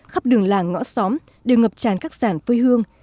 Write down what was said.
khắp đường làng ngõ xóm đều ngập tràn các sản quê hương